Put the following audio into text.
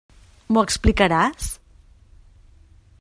M'ho explicaràs?